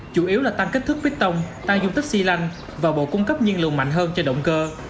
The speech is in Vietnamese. chủ yếu là tăng kích thước vít tông tăng dung tích xy lanh và bộ cung cấp nhiên lượng mạnh hơn cho động cơ